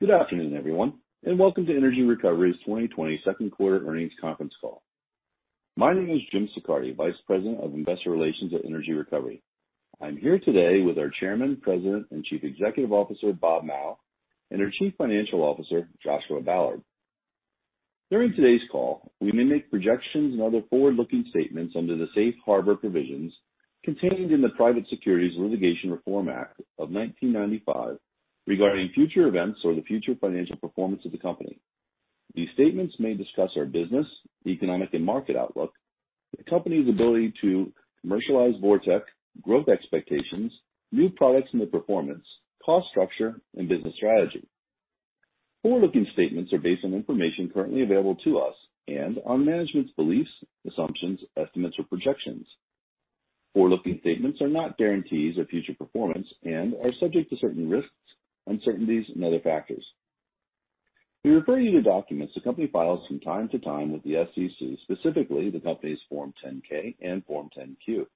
Good afternoon, everyone, welcome to Energy Recovery's 2020 second quarter earnings conference call. My name is James Siccardi, Vice President of Investor Relations at Energy Recovery. I'm here today with our Chairman, President, and Chief Executive Officer, Bob Mao, and our Chief Financial Officer, Joshua Ballard. During today's call, we may make projections and other forward-looking statements under the safe harbor provisions contained in the Private Securities Litigation Reform Act of 1995 regarding future events or the future financial performance of the company. These statements may discuss our business, economic, and market outlook, the company's ability to commercialize VorTeq, growth expectations, new products and their performance, cost structure, and business strategy. Forward-looking statements are based on information currently available to us and on management's beliefs, assumptions, estimates, or projections. Forward-looking statements are not guarantees of future performance and are subject to certain risks, uncertainties, and other factors. We refer you to documents the company files from time to time with the SEC, specifically the company's Form 10-K and Form 10-Q.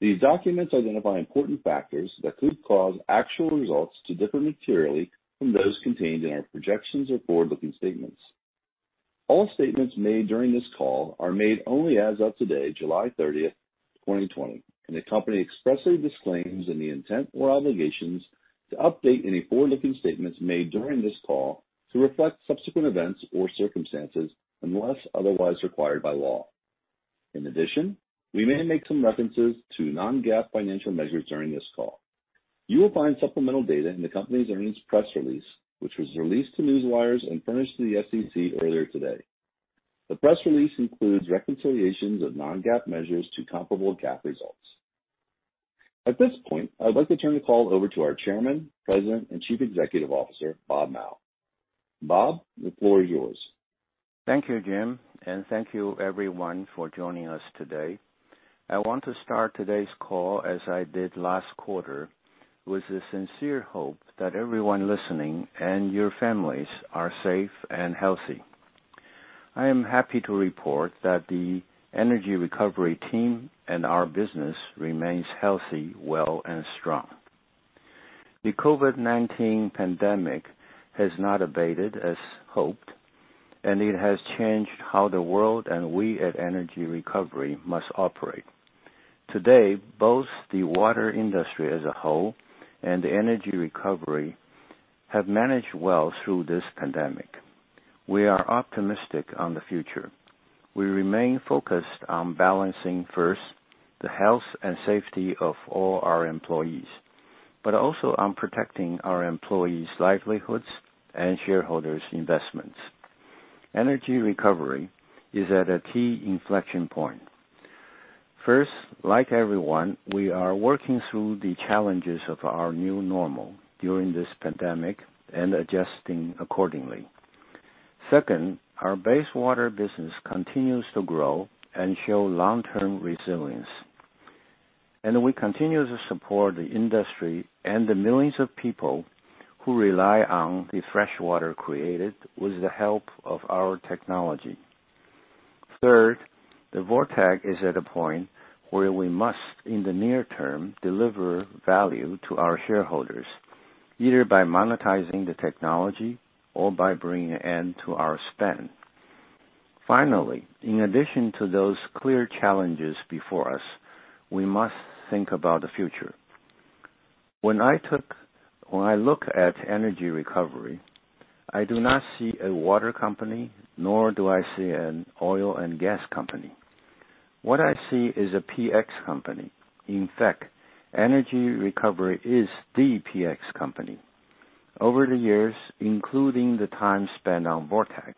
These documents identify important factors that could cause actual results to differ materially from those contained in our projections or forward-looking statements. All statements made during this call are made only as of today, July 30th, 2020, and the company expressly disclaims any intent or obligations to update any forward-looking statements made during this call to reflect subsequent events or circumstances unless otherwise required by law. In addition, we may make some references to non-GAAP financial measures during this call. You will find supplemental data in the company's earnings press release, which was released to Newswires and furnished to the SEC earlier today. The press release includes reconciliations of non-GAAP measures to comparable GAAP results. At this point, I'd like to turn the call over to our Chairman, President, and Chief Executive Officer, Robert Mao. Bob, the floor is yours. Thank you, Jim. Thank you everyone for joining us today. I want to start today's call as I did last quarter, with the sincere hope that everyone listening and your families are safe and healthy. I am happy to report that the Energy Recovery team and our business remains healthy, well, and strong. The COVID-19 pandemic has not abated as hoped, and it has changed how the world and we at Energy Recovery must operate. Today, both the water industry as a whole and Energy Recovery have managed well through this pandemic. We are optimistic on the future. We remain focused on balancing first the health and safety of all our employees, but also on protecting our employees' livelihoods and shareholders' investments. Energy Recovery is at a key inflection point. First, like everyone, we are working through the challenges of our new normal during this pandemic and adjusting accordingly. Our base water business continues to grow and show long-term resilience. We continue to support the industry and the millions of people who rely on the fresh water created with the help of our technology. The VorTeq is at a point where we must, in the near term, deliver value to our shareholders, either by monetizing the technology or by bringing an end to our spend. In addition to those clear challenges before us, we must think about the future. When I look at Energy Recovery, I do not see a water company, nor do I see an oil and gas company. What I see is a PX company. In fact, Energy Recovery is the PX company. Over the years, including the time spent on VorTeq,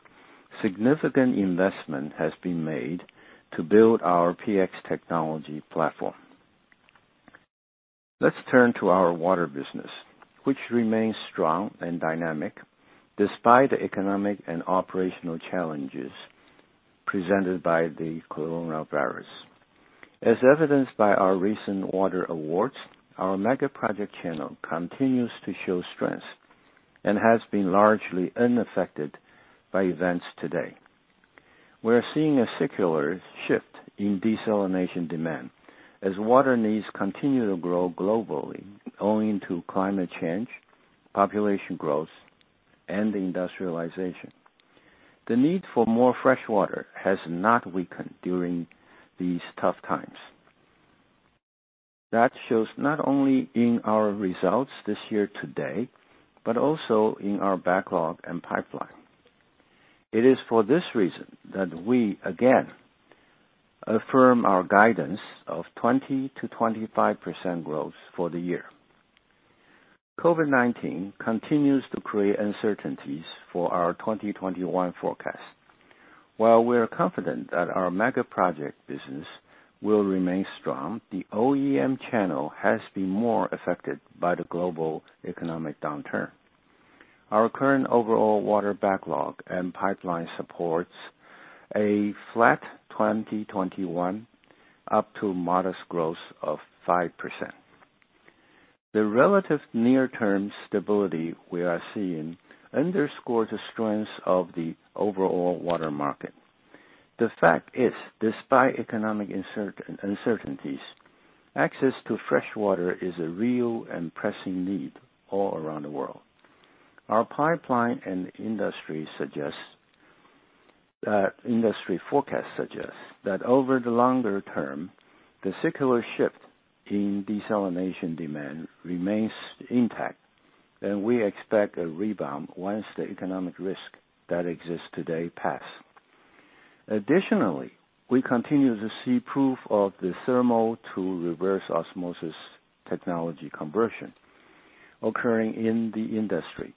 significant investment has been made to build our PX technology platform. Let's turn to our water business, which remains strong and dynamic despite the economic and operational challenges presented by the coronavirus. As evidenced by our recent water awards, our mega project channel continues to show strength and has been largely unaffected by events today. We are seeing a secular shift in desalination demand as water needs continue to grow globally owing to climate change, population growth, and industrialization. The need for more fresh water has not weakened during these tough times. That shows not only in our results this year to date, but also in our backlog and pipeline. It is for this reason that we again affirm our guidance of 20%-25% growth for the year. COVID-19 continues to create uncertainties for our 2021 forecast. While we are confident that our megaproject business will remain strong, the OEM channel has been more affected by the global economic downturn. Our current overall water backlog and pipeline supports a flat 2021 up to a modest growth of 5%. The relative near-term stability we are seeing underscores the strength of the overall water market. The fact is, despite economic uncertainties, access to fresh water is a real and pressing need all around the world. Our pipeline and industry forecast suggests that over the longer term, the secular shift in desalination demand remains intact, and we expect a rebound once the economic risk that exists today pass. Additionally, we continue to see proof of the thermal to reverse osmosis technology conversion occurring in the industry,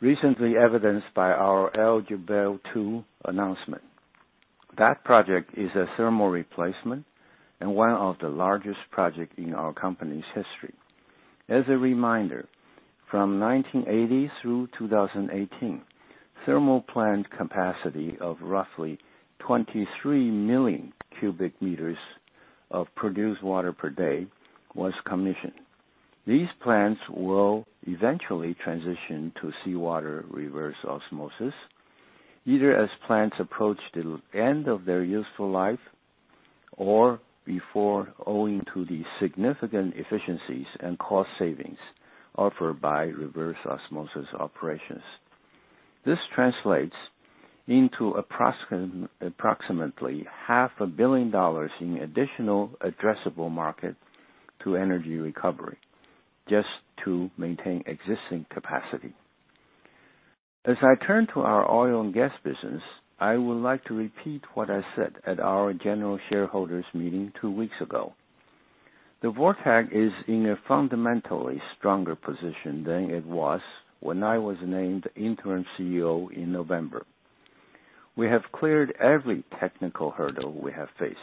recently evidenced by our Al Jubail II announcement. That project is a thermal replacement and one of the largest project in our company's history. As a reminder, from 1980 through 2018, thermal plant capacity of roughly 23 million cubic meters of produced water per day was commissioned. These plants will eventually transition to seawater reverse osmosis, either as plants approach the end of their useful life or before owing to the significant efficiencies and cost savings offered by reverse osmosis operations. This translates into approximately half a billion dollars in additional addressable market to Energy Recovery, just to maintain existing capacity. As I turn to our oil and gas business, I would like to repeat what I said at our general shareholders meeting two weeks ago. The VorTeq is in a fundamentally stronger position than it was when I was named interim CEO in November. We have cleared every technical hurdle we have faced.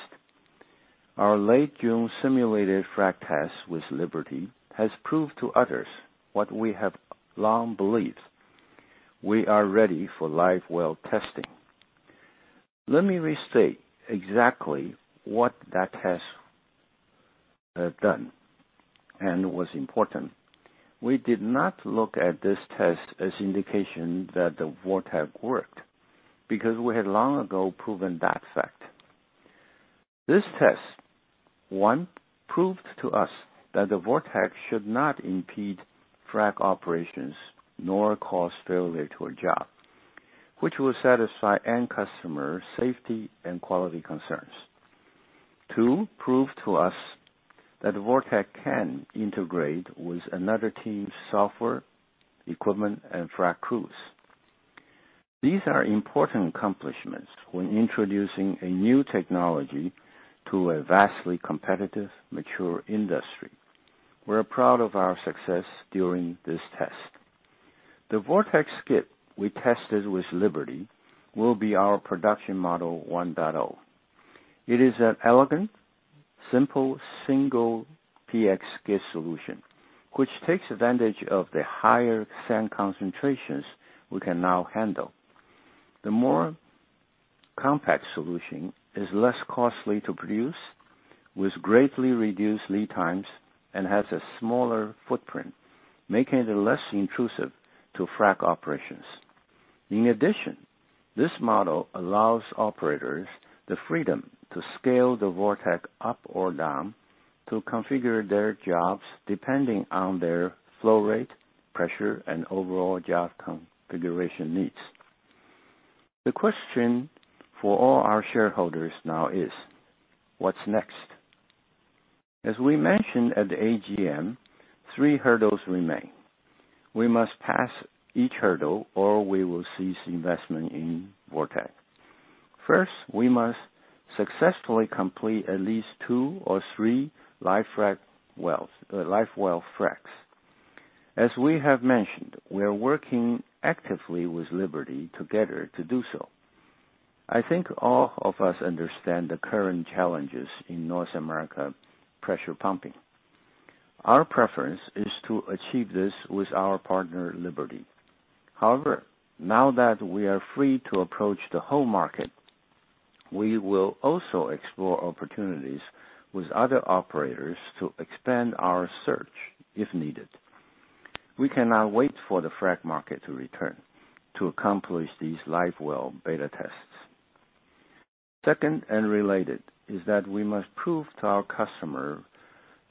Our late June simulated frac test with Liberty has proved to others what we have long believed. We are ready for live well testing. Let me restate exactly what that has done and was important. We did not look at this test as indication that the VorTeq worked because we had long ago proven that fact. This test, one, proved to us that the VorTeq should not impede frac operations nor cause failure to a job, which will satisfy end customer safety and quality concerns. Two, proved to us that VorTeq can integrate with another team's software, equipment, and frac crews. These are important accomplishments when introducing a new technology to a vastly competitive, mature industry. We're proud of our success during this test. The VorTeq skid we tested with Liberty will be our production Model 1.0. It is an elegant, simple, single PX skid solution, which takes advantage of the higher sand concentrations we can now handle. The more compact solution is less costly to produce, with greatly reduced lead times, and has a smaller footprint, making it less intrusive to frac operations. In addition, this model allows operators the freedom to scale the VorTeq up or down to configure their jobs depending on their flow rate, pressure, and overall job configuration needs. The question for all our shareholders now is what's next? As we mentioned at the AGM, three hurdles remain. We must pass each hurdle, or we will cease investment in VorTeq. First, we must successfully complete at least two or three live well fracs. As we have mentioned, we are working actively with Liberty together to do so. I think all of us understand the current challenges in North America pressure pumping. Our preference is to achieve this with our partner, Liberty. Now that we are free to approach the whole market, we will also explore opportunities with other operators to expand our search if needed. We cannot wait for the frac market to return to accomplish these live well beta tests. Second, and related, is that we must prove to our customer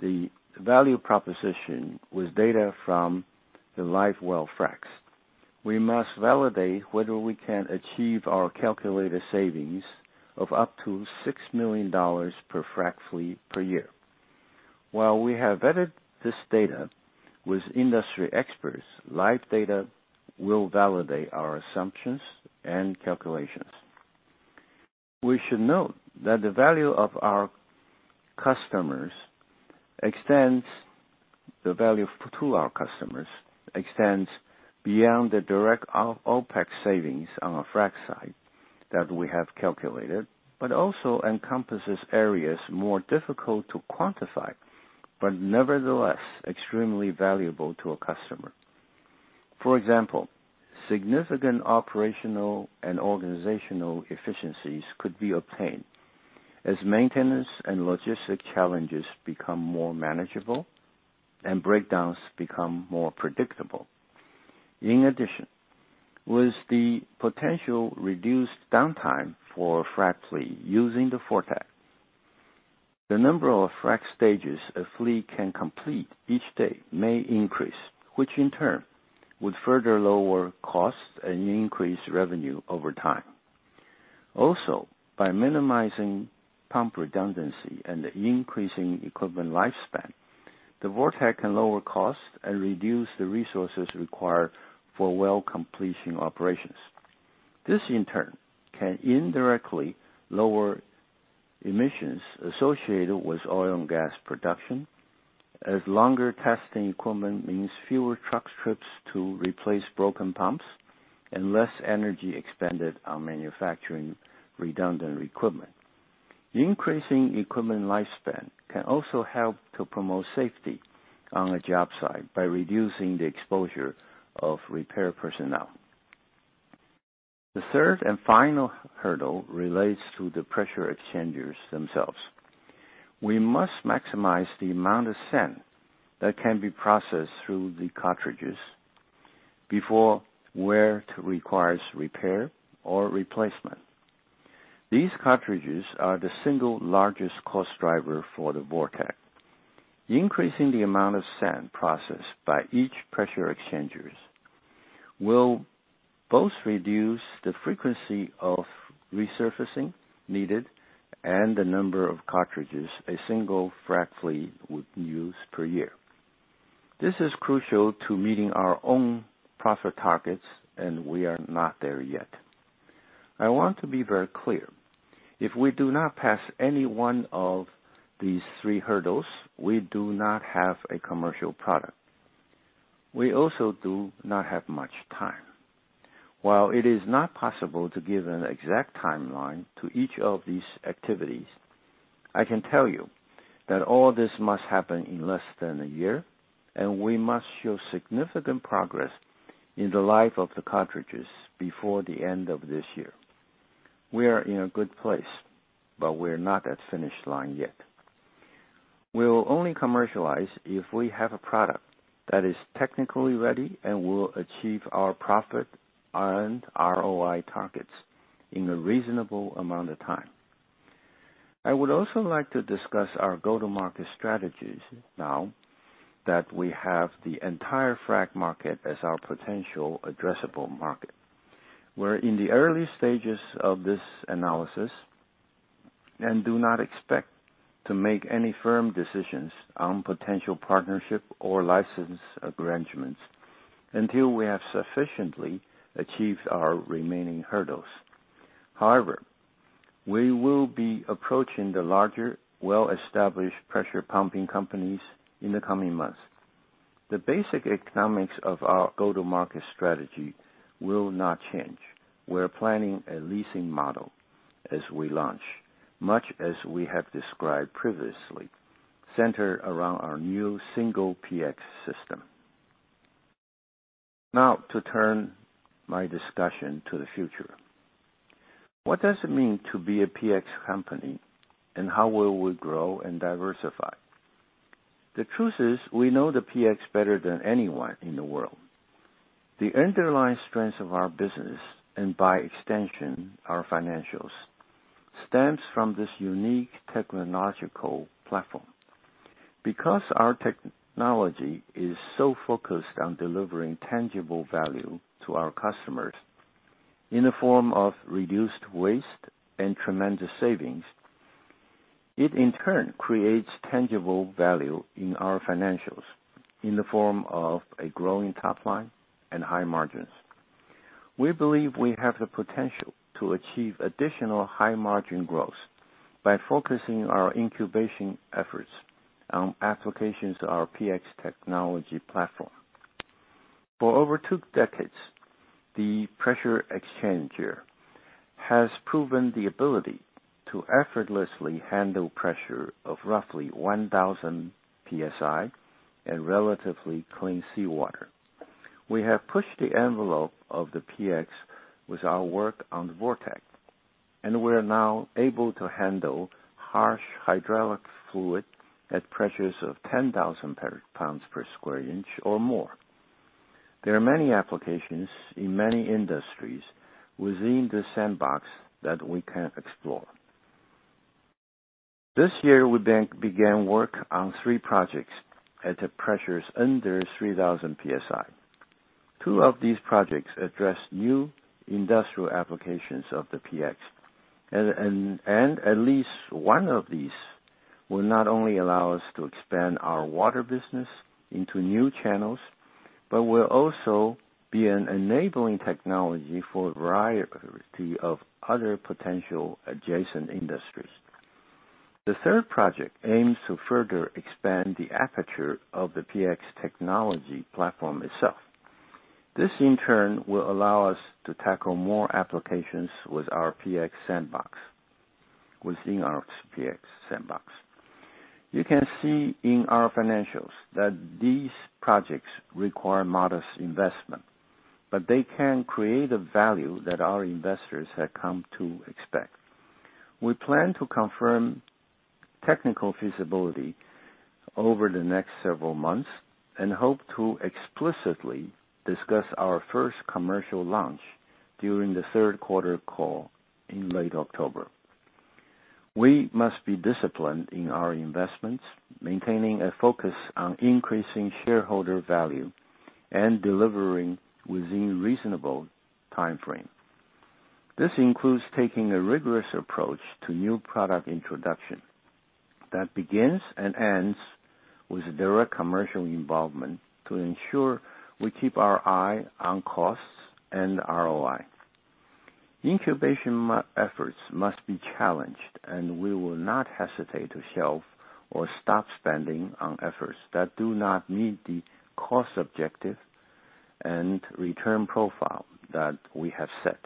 the value proposition with data from the live well fracs. We must validate whether we can achieve our calculated savings of up to $6 million per frac fleet per year. We have vetted this data with industry experts, live data will validate our assumptions and calculations. We should note that the value to our customers extends beyond the direct OpEx savings on a frac site that we have calculated, but also encompasses areas more difficult to quantify, but nevertheless, extremely valuable to a customer. For example, significant operational and organizational efficiencies could be obtained as maintenance and logistic challenges become more manageable and breakdowns become more predictable. In addition, with the potential reduced downtime for frac fleet using the VorTeq, the number of frac stages a fleet can complete each day may increase, which in turn would further lower costs and increase revenue over time. Also, by minimizing pump redundancy and increasing equipment lifespan, the VorTeq can lower costs and reduce the resources required for well completion operations. This, in turn, can indirectly lower emissions associated with oil and gas production, as longer testing equipment means fewer truck trips to replace broken pumps and less energy expended on manufacturing redundant equipment. Increasing equipment lifespan can also help to promote safety on a job site by reducing the exposure of repair personnel. The third and final hurdle relates to the pressure exchangers themselves. We must maximize the amount of sand that can be processed through the cartridges before wear requires repair or replacement. These cartridges are the single largest cost driver for the VorTeq. Increasing the amount of sand processed by each pressure exchangers will both reduce the frequency of resurfacing needed and the number of cartridges a single frac fleet would use per year. This is crucial to meeting our own profit targets, and we are not there yet. I want to be very clear. If we do not pass any one of these three hurdles, we do not have a commercial product. We also do not have much time. While it is not possible to give an exact timeline to each of these activities, I can tell you that all this must happen in less than a year, and we must show significant progress in the life of the cartridges before the end of this year. We are in a good place, but we're not at finish line yet. We will only commercialize if we have a product that is technically ready and will achieve our profit and ROI targets in a reasonable amount of time. I would also like to discuss our go-to-market strategies now that we have the entire frac market as our potential addressable market. We're in the early stages of this analysis and do not expect to make any firm decisions on potential partnership or license arrangements until we have sufficiently achieved our remaining hurdles. We will be approaching the larger, well-established pressure pumping companies in the coming months. The basic economics of our go-to-market strategy will not change. We're planning a leasing model as we launch, much as we have described previously, centered around our new single PX system. To turn my discussion to the future. What does it mean to be a PX company, and how will we grow and diversify? The truth is, we know the PX better than anyone in the world. The underlying strength of our business, and by extension, our financials, stems from this unique technological platform. Our technology is so focused on delivering tangible value to our customers in the form of reduced waste and tremendous savings, it in turn creates tangible value in our financials in the form of a growing top line and high margins. We believe we have the potential to achieve additional high-margin growth by focusing our incubation efforts on applications to our PX technology platform. For over two decades, the pressure exchanger has proven the ability to effortlessly handle pressure of roughly 1,000 PSI and relatively clean seawater. We have pushed the envelope of the PX with our work on the VorTeq, and we're now able to handle harsh hydraulic fluid at pressures of 10,000 pounds per square inch or more. There are many applications in many industries within the sandbox that we can explore. This year, we began work on three projects at the pressures under 3,000 PSI. Two of these projects address new industrial applications of the PX, and at least one of these will not only allow us to expand our water business into new channels, but will also be an enabling technology for a variety of other potential adjacent industries. The third project aims to further expand the aperture of the PX technology platform itself. This, in turn, will allow us to tackle more applications within our PX sandbox. You can see in our financials that these projects require modest investment, but they can create a value that our investors have come to expect. We plan to confirm technical feasibility over the next several months and hope to explicitly discuss our first commercial launch during the third quarter call in late October. We must be disciplined in our investments, maintaining a focus on increasing shareholder value and delivering within reasonable timeframe. This includes taking a rigorous approach to new product introduction that begins and ends with direct commercial involvement to ensure we keep our eye on costs and ROI. Incubation efforts must be challenged, and we will not hesitate to shelve or stop spending on efforts that do not meet the cost objective and return profile that we have set.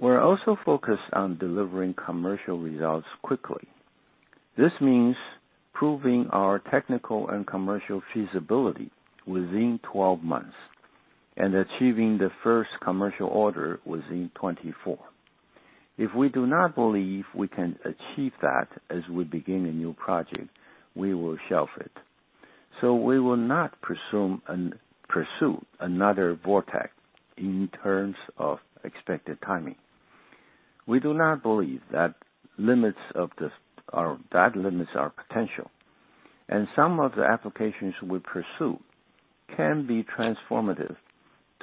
We're also focused on delivering commercial results quickly. This means proving our technical and commercial feasibility within 12 months, and achieving the first commercial order within 24. If we do not believe we can achieve that as we begin a new project, we will shelve it. We will not pursue another VorTeq in terms of expected timing. We do not believe that limits our potential, and some of the applications we pursue can be transformative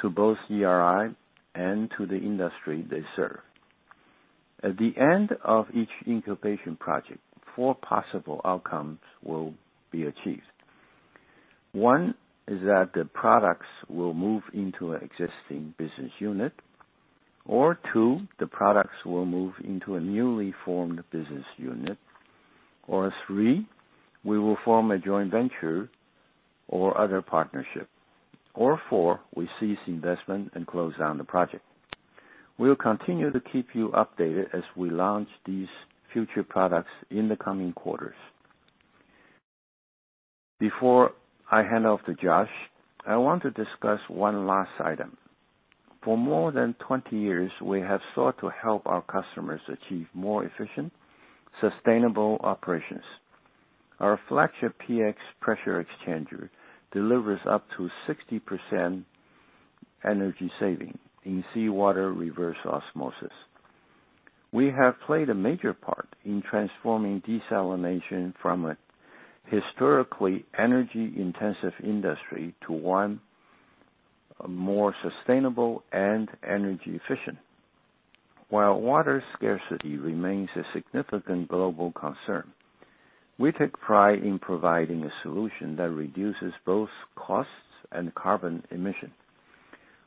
to both ERI and to the industry they serve. At the end of each incubation project, four possible outcomes will be achieved. One is that the products will move into an existing business unit. Two, the products will move into a newly formed business unit. Three, we will form a joint venture or other partnership. Four, we cease investment and close down the project. We'll continue to keep you updated as we launch these future products in the coming quarters. Before I hand off to Josh, I want to discuss one last item. For more than 20 years, we have sought to help our customers achieve more efficient, sustainable operations. Our flagship PX pressure exchanger delivers up to 60% energy saving in seawater reverse osmosis. We have played a major part in transforming desalination from a historically energy-intensive industry to one more sustainable and energy efficient. While water scarcity remains a significant global concern, we take pride in providing a solution that reduces both costs and carbon emission.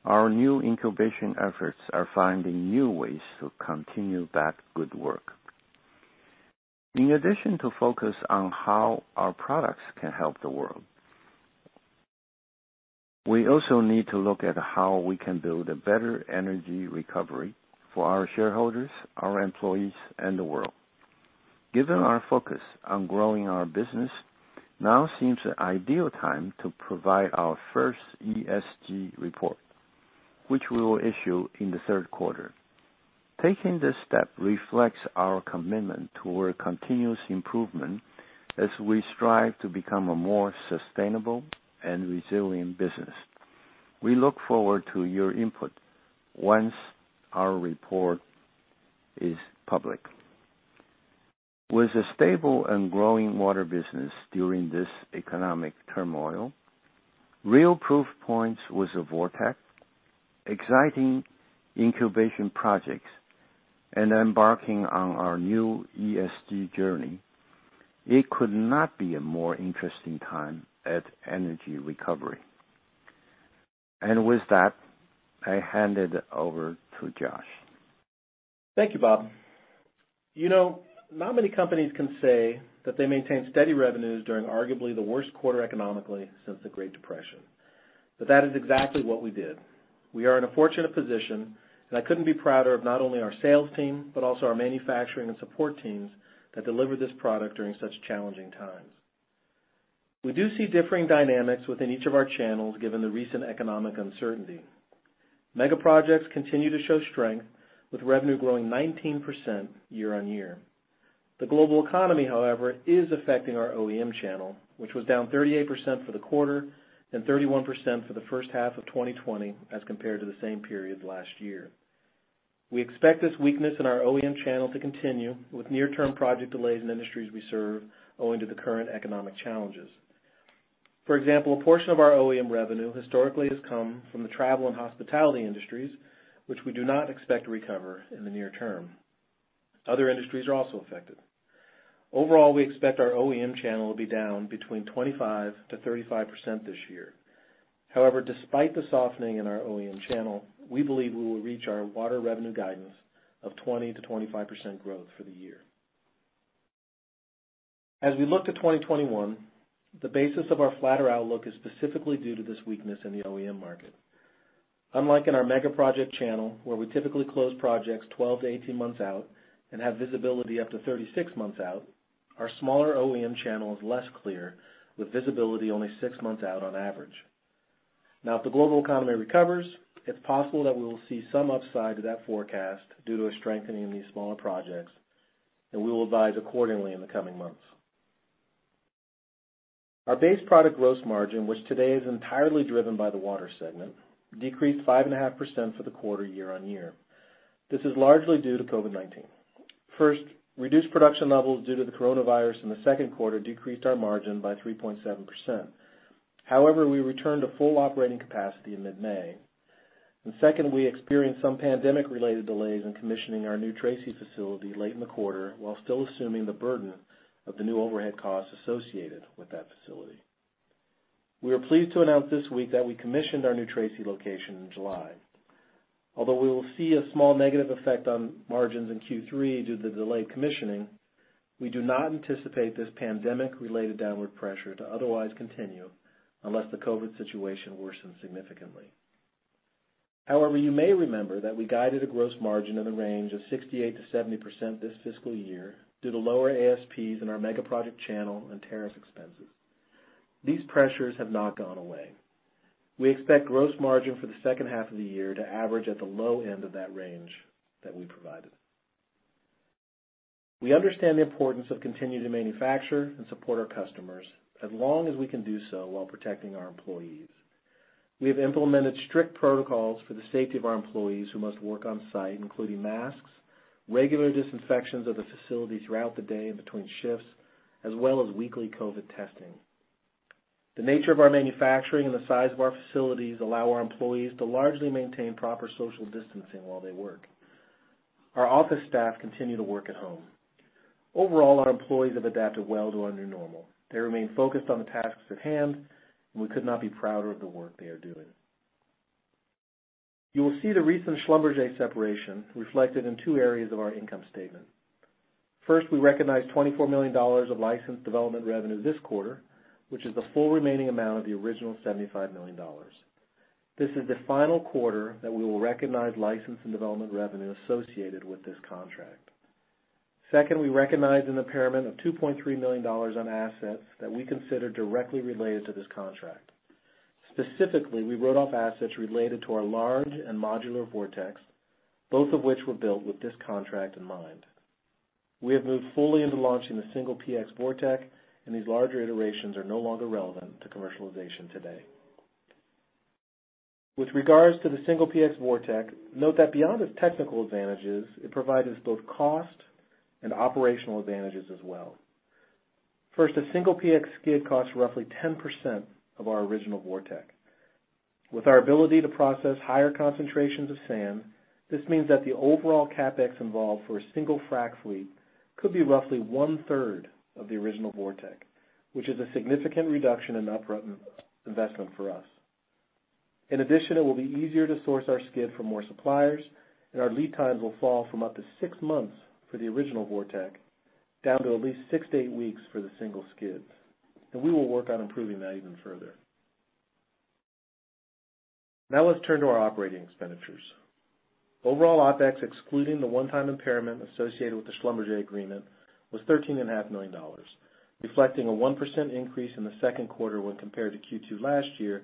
Our new incubation efforts are finding new ways to continue that good work. In addition to focus on how our products can help the world, we also need to look at how we can build a better Energy Recovery for our shareholders, our employees, and the world. Given our focus on growing our business, now seems the ideal time to provide our first ESG report, which we will issue in the third quarter. Taking this step reflects our commitment toward continuous improvement as we strive to become a more sustainable and resilient business. We look forward to your input once our report is public. With a stable and growing water business during this economic turmoil, real proof points with the VorTeq, exciting incubation projects, and embarking on our new ESG journey, it could not be a more interesting time at Energy Recovery. With that, I hand it over to Josh. Thank you, Bob. Not many companies can say that they maintain steady revenues during arguably the worst quarter economically since the Great Depression. That is exactly what we did. We are in a fortunate position, and I couldn't be prouder of not only our sales team, but also our manufacturing and support teams that delivered this product during such challenging times. We do see differing dynamics within each of our channels given the recent economic uncertainty. Megaprojects continue to show strength, with revenue growing 19% year-over-year. The global economy, however, is affecting our OEM channel, which was down 38% for the quarter and 31% for the first half of 2020 as compared to the same period last year. We expect this weakness in our OEM channel to continue with near-term project delays in industries we serve owing to the current economic challenges. For example, a portion of our OEM revenue historically has come from the travel and hospitality industries, which we do not expect to recover in the near term. Other industries are also affected. Overall, we expect our OEM channel to be down between 25%-35% this year. However, despite the softening in our OEM channel, we believe we will reach our water revenue guidance of 20%-25% growth for the year. As we look to 2021, the basis of our flatter outlook is specifically due to this weakness in the OEM market. Unlike in our megaproject channel, where we typically close projects 12-18 months out and have visibility up to 36 months out, our smaller OEM channel is less clear, with visibility only six months out on average. Now, if the global economy recovers, it's possible that we will see some upside to that forecast due to a strengthening in these smaller projects, and we will advise accordingly in the coming months. Our base product gross margin, which today is entirely driven by the water segment, decreased 5.5% for the quarter year-on-year. This is largely due to COVID-19. First, reduced production levels due to the coronavirus in the second quarter decreased our margin by 3.7%. However, we returned to full operating capacity in mid-May. Second, we experienced some pandemic-related delays in commissioning our new Tracy facility late in the quarter, while still assuming the burden of the new overhead costs associated with that facility. We are pleased to announce this week that we commissioned our new Tracy location in July. Although we will see a small negative effect on margins in Q3 due to the delayed commissioning, we do not anticipate this pandemic-related downward pressure to otherwise continue unless the COVID situation worsens significantly. However, you may remember that we guided a gross margin in the range of 68%-70% this fiscal year due to lower ASPs in our megaproject channel and tariff expenses. These pressures have not gone away. We expect gross margin for the second half of the year to average at the low end of that range that we provided. We understand the importance of continuing to manufacture and support our customers as long as we can do so while protecting our employees. We have implemented strict protocols for the safety of our employees who must work on site, including masks, regular disinfections of the facility throughout the day and between shifts, as well as weekly COVID testing. The nature of our manufacturing and the size of our facilities allow our employees to largely maintain proper social distancing while they work. Our office staff continue to work at home. Overall, our employees have adapted well to our new normal. They remain focused on the tasks at hand, and we could not be prouder of the work they are doing. You will see the recent Schlumberger separation reflected in two areas of our income statement. First, we recognize $24 million of licensed development revenue this quarter, which is the full remaining amount of the original $75 million. This is the final quarter that we will recognize license and development revenue associated with this contract. Second, we recognized an impairment of $2.3 million on assets that we consider directly related to this contract. Specifically, we wrote off assets related to our large and modular VorTeq, both of which were built with this contract in mind. We have moved fully into launching the single PX VorTeq, and these larger iterations are no longer relevant to commercialization today. With regards to the single PX VorTeq, note that beyond its technical advantages, it provides us both cost and operational advantages as well. First, a single PX skid costs roughly 10% of our original VorTeq. With our ability to process higher concentrations of sand, this means that the overall CapEx involved for a single frac fleet could be roughly one-third of the original VorTeq, which is a significant reduction in upfront investment for us. Our lead times will fall from up to six months for the original VorTeq down to at least six to eight weeks for the single skids. We will work on improving that even further. Now let's turn to our operating expenditures. Overall, OpEx, excluding the one-time impairment associated with the Schlumberger agreement, was $13.5 million, reflecting a 1% increase in the second quarter when compared to Q2 last year,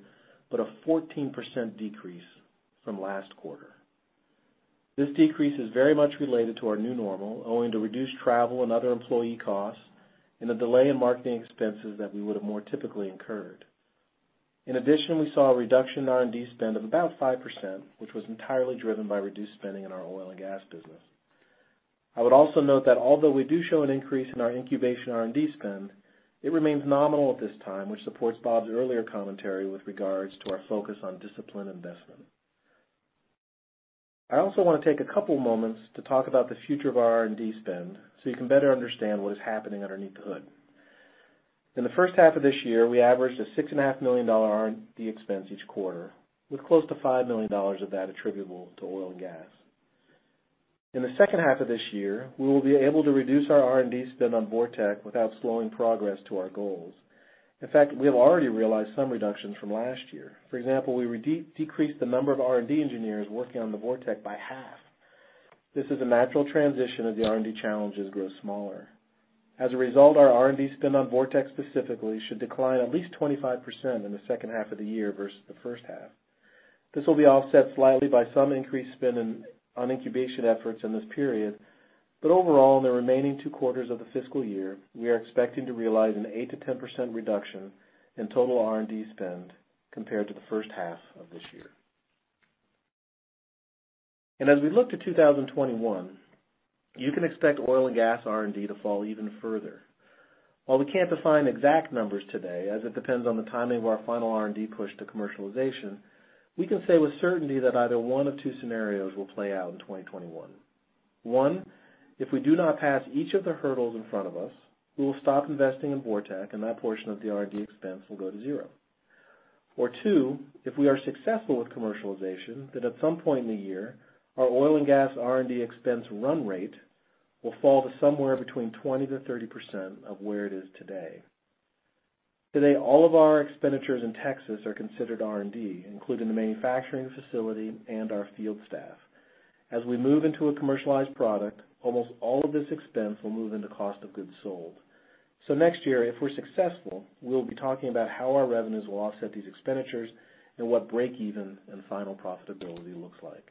but a 14% decrease from last quarter. This decrease is very much related to our new normal, owing to reduced travel and other employee costs and the delay in marketing expenses that we would have more typically incurred. We saw a reduction in R&D spend of about 5%, which was entirely driven by reduced spending in our oil and gas business. I would also note that although we do show an increase in our incubation R&D spend, it remains nominal at this time, which supports Bob's earlier commentary with regards to our focus on disciplined investment. I also want to take a couple moments to talk about the future of our R&D spend so you can better understand what is happening underneath the hood. In the first half of this year, we averaged a $6.5 million R&D expense each quarter, with close to $5 million of that attributable to oil and gas. In the second half of this year, we will be able to reduce our R&D spend on VorTeq without slowing progress to our goals. In fact, we have already realized some reductions from last year. For example, we decreased the number of R&D engineers working on the VorTeq by half. This is a natural transition as the R&D challenges grow smaller. As a result, our R&D spend on VorTeq specifically should decline at least 25% in the second half of the year versus the first half. This will be offset slightly by some increased spend on incubation efforts in this period. Overall, in the remaining two quarters of the fiscal year, we are expecting to realize an 8%-10% reduction in total R&D spend compared to the first half of this year. As we look to 2021, you can expect oil and gas R&D to fall even further. While we can't define exact numbers today, as it depends on the timing of our final R&D push to commercialization, we can say with certainty that either one of two scenarios will play out in 2021. One, if we do not pass each of the hurdles in front of us, we will stop investing in VorTeq, and that portion of the R&D expense will go to zero. Two, if we are successful with commercialization, then at some point in the year, our oil and gas R&D expense run rate will fall to somewhere between 20%-30% of where it is today. Today, all of our expenditures in Texas are considered R&D, including the manufacturing facility and our field staff. As we move into a commercialized product, almost all of this expense will move into cost of goods sold. Next year, if we're successful, we'll be talking about how our revenues will offset these expenditures and what breakeven and final profitability looks like.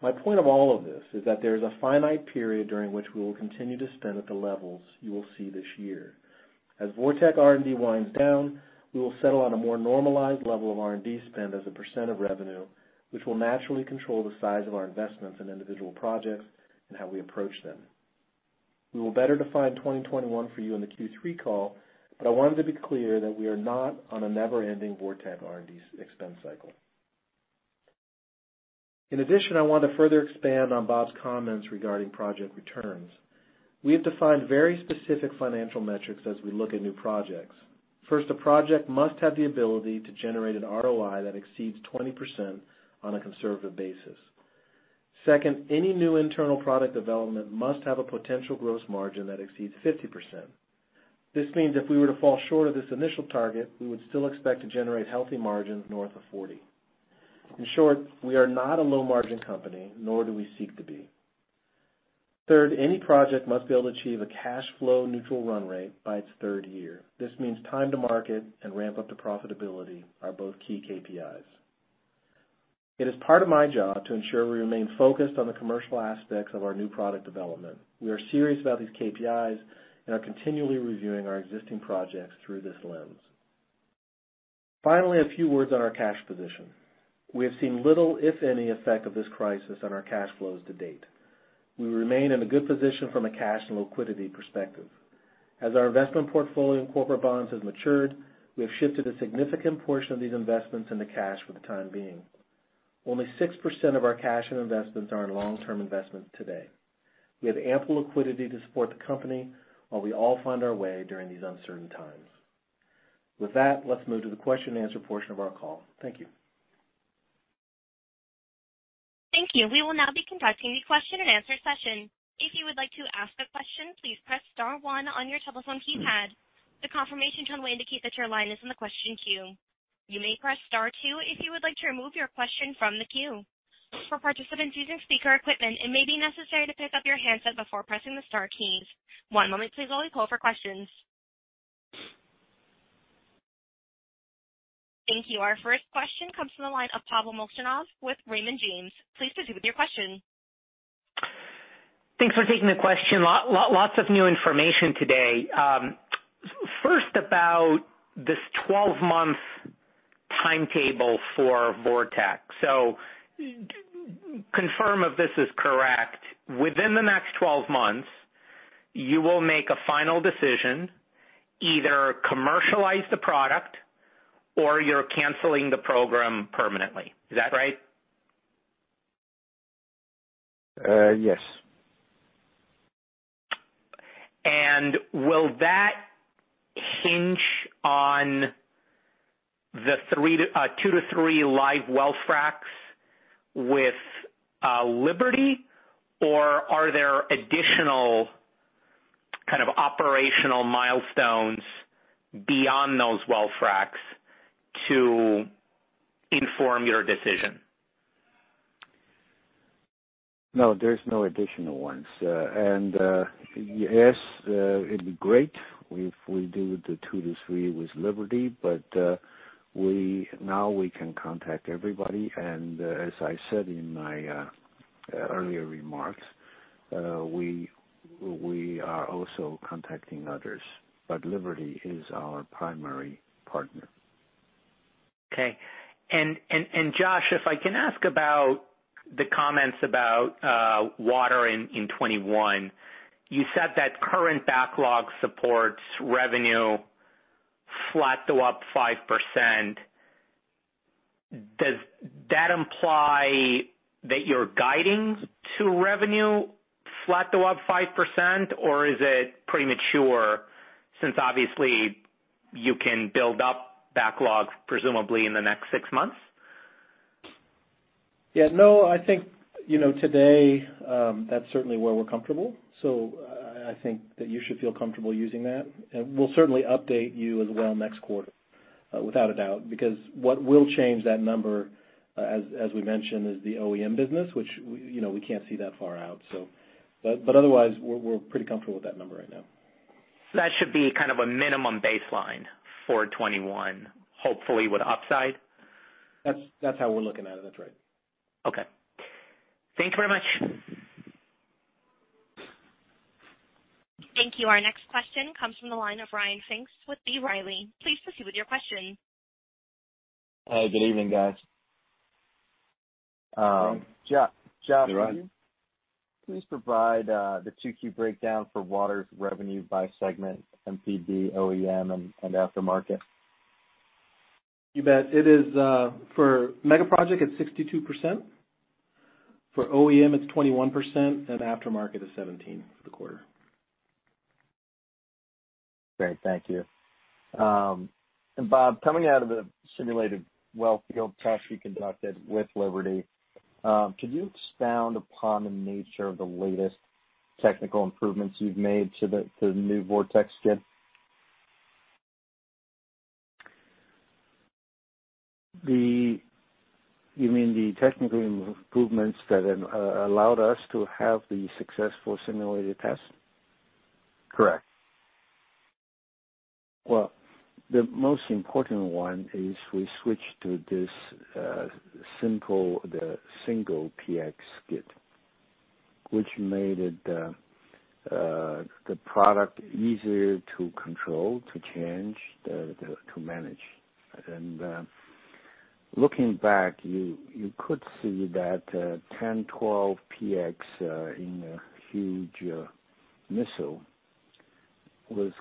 My point of all of this is that there is a finite period during which we will continue to spend at the levels you will see this year. As VorTeq R&D winds down, we will settle on a more normalized level of R&D spend as a % of revenue, which will naturally control the size of our investments in individual projects and how we approach them. We will better define 2021 for you in the Q3 call, but I wanted to be clear that we are not on a never-ending VorTeq R&D expense cycle. In addition, I want to further expand on Bob's comments regarding project returns. We have defined very specific financial metrics as we look at new projects. First, a project must have the ability to generate an ROI that exceeds 20% on a conservative basis. Second, any new internal product development must have a potential gross margin that exceeds 50%. This means if we were to fall short of this initial target, we would still expect to generate healthy margins north of 40%. In short, we are not a low-margin company, nor do we seek to be. Third, any project must be able to achieve a cash flow neutral run rate by its third year. This means time to market and ramp up to profitability are both key KPIs. It is part of my job to ensure we remain focused on the commercial aspects of our new product development. We are serious about these KPIs and are continually reviewing our existing projects through this lens. Finally, a few words on our cash position. We have seen little, if any, effect of this crisis on our cash flows to date. We remain in a good position from a cash and liquidity perspective. As our investment portfolio in corporate bonds has matured, we have shifted a significant portion of these investments into cash for the time being. Only 6% of our cash and investments are in long-term investments today. We have ample liquidity to support the company while we all find our way during these uncertain times. With that, let's move to the question and answer portion of our call. Thank you. Thank you. We will now be conducting the question and answer session. If you would like to ask a question, please press star one on your telephone keypad. The confirmation tone will indicate that your line is in the question queue. You may press star two if you would like to remove your question from the queue. For participants using speaker equipment, it may be necessary to pick up your handset before pressing the star keys. One moment please, while we call for questions. Thank you. Our first question comes from the line of Pavel Molchanov with Raymond James. Please proceed with your question. Thanks for taking the question. Lots of new information today. First, about this 12-month timetable for VorTeq. Confirm if this is correct. Within the next 12 months, you will make a final decision, either commercialize the product or you're canceling the program permanently. Is that right? Yes. Will that hinge on the two to three live well fracs with Liberty, or are there additional kind of operational milestones beyond those well fracs to inform your decision? No, there's no additional ones. Yes, it'd be great if we do the two to three with Liberty. Now we can contact everybody and as I said in my earlier remarks, we are also contacting others. Liberty is our primary partner. Okay. Josh, if I can ask about the comments about water in 2021. You said that current backlog supports revenue flat to up 5%. Does that imply that you're guiding to revenue flat to up 5%? Is it premature, since obviously you can build up backlog presumably in the next six months? I think today, that's certainly where we're comfortable. I think that you should feel comfortable using that. We'll certainly update you as well next quarter, without a doubt. What will change that number, as we mentioned, is the OEM business, which we can't see that far out. Otherwise, we're pretty comfortable with that number right now. That should be kind of a minimum baseline for 2021, hopefully with upside? That's how we're looking at it. That's right. Okay. Thank you very much. Thank you. Our next question comes from the line of Ryan Pfingst with B. Riley. Please proceed with your question. Hey, good evening, guys. Good evening. Josh. Hey, Ryan Please provide the 2Q breakdown for water's revenue by segment, MPD, OEM, and aftermarket. You bet. It is for Megaproject, it's 62%. For OEM, it's 21%, and aftermarket is 17% for the quarter. Great. Thank you. Bob, coming out of a simulated well kill test you conducted with Liberty, could you expound upon the nature of the latest technical improvements you've made to the new VorTeq skid? You mean the technical improvements that allowed us to have the successful simulated test? Correct. The most important one is we switched to this simple, the single PX skid, which made the product easier to control, to change, to manage. Looking back, you could see that 10-12 PX in a huge missile was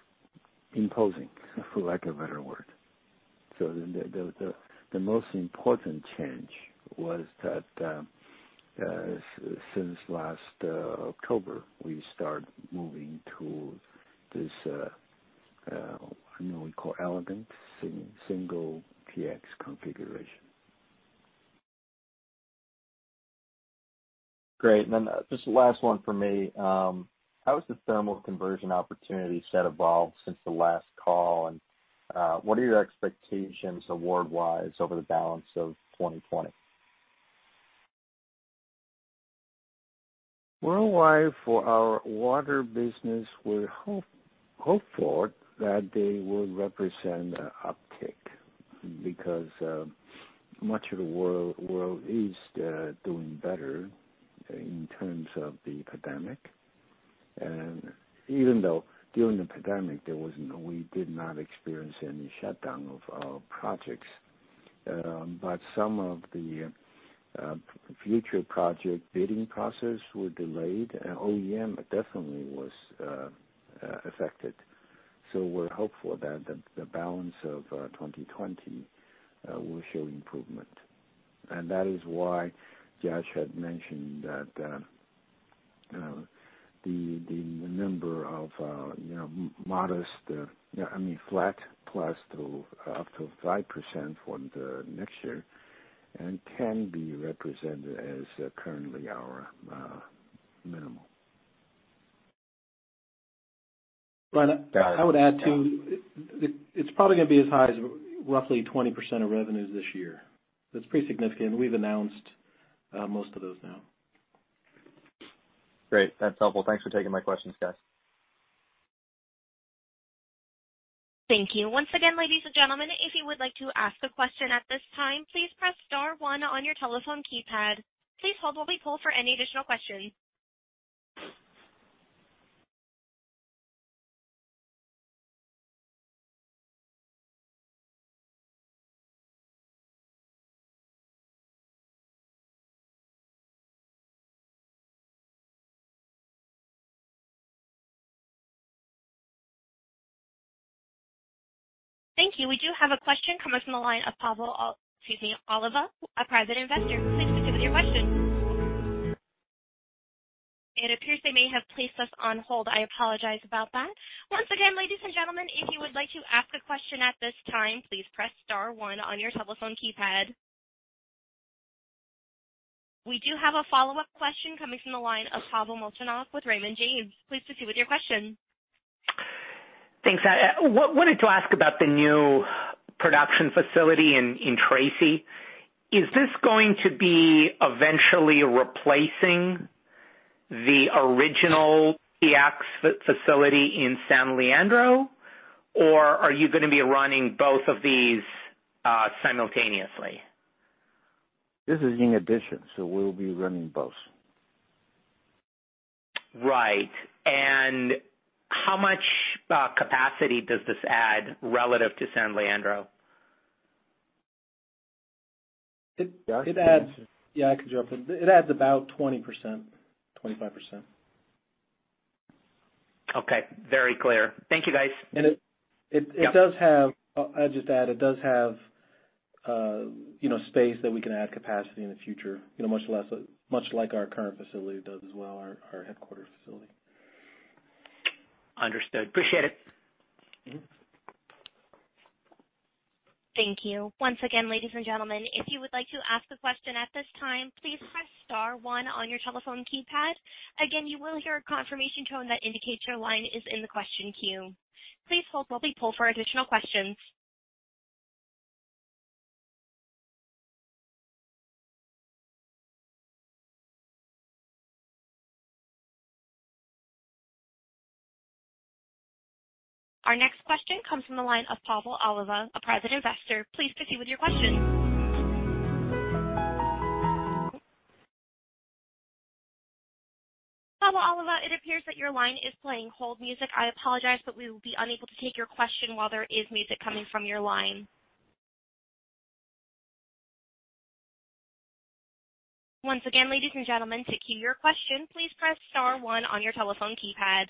imposing, for lack of a better word. The most important change was that, since last October, we start moving to this, what we call elegant single PX configuration. Great. Then just the last one from me. How has the thermal conversion opportunity set evolved since the last call, and what are your expectations award-wise over the balance of 2020? Worldwide for our water business, we're hopeful that they will represent an uptick because much of the world is doing better in terms of the pandemic. Even though during the pandemic, we did not experience any shutdown of our projects, but some of the future project bidding process were delayed, OEM definitely was affected. We're hopeful that the balance of 2020 will show improvement. That is why Josh had mentioned that the number of modest, I mean flat plus up to 5% for the next year and can be represented as currently our minimum. Ryan, I would add, too, it's probably going to be as high as roughly 20% of revenues this year. That's pretty significant. We've announced most of those now. Great. That's helpful. Thanks for taking my questions, guys. Thank you. Once again, ladies and gentlemen, if you would like to ask a question at this time, please press star one on your telephone keypad. Please hold while we poll for any additional questions. Thank you. We do have a question coming from the line of Pavel Oliva, a private investor. Please proceed with your question. It appears they may have placed us on hold. I apologize about that. Once again, ladies and gentlemen, if you would like to ask a question at this time, please press star one on your telephone keypad. We do have a follow-up question coming from the line of Pavel Molchanov with Raymond James. Please proceed with your question. Thanks. I wanted to ask about the new production facility in Tracy. Is this going to be eventually replacing the original PX facility in San Leandro, or are you going to be running both of these simultaneously? This is in addition. We'll be running both. Right. How much capacity does this add relative to San Leandro? It adds- Josh? Yeah, I can jump in. It adds about 20%, 25%. Okay, very clear. Thank you, guys. Yep. I'll just add, it does have space that we can add capacity in the future, much like our current facility does as well, our headquarter facility. Understood. Appreciate it. Thank you. Once again, ladies and gentlemen, if you would like to ask a question at this time, please press star one on your telephone keypad. Again, you will hear a confirmation tone that indicates your line is in the question queue. Please hold while we poll for additional questions. Our next question comes from the line of Pavel Oliva, a private investor. Please proceed with your question. Pavel Oliva, it appears that your line is playing hold music. I apologize, but we will be unable to take your question while there is music coming from your line. Once again, ladies and gentlemen, to queue your question, please press star one on your telephone keypad.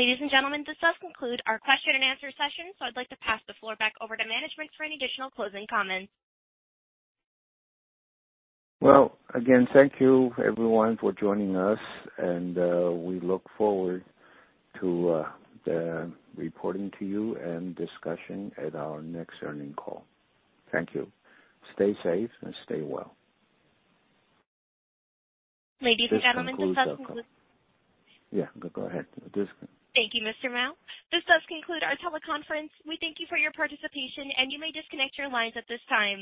Ladies and gentlemen, this does conclude our question and answer session, so I'd like to pass the floor back over to management for any additional closing comments. Again, thank you everyone for joining us, and we look forward to the reporting to you and discussion at our next earning call. Thank you. Stay safe and stay well. Ladies and gentlemen, this does conclude. Yeah, go ahead. Thank you, Mr. Mao. This does conclude our teleconference. We thank you for your participation, and you may disconnect your lines at this time.